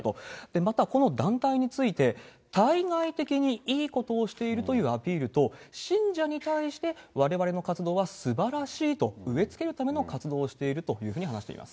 また、この団体について、対外的にいいことをしているというアピールと、信者に対してわれわれの活動はすばらしいと植え付けるための活動をしているというふうに話しています。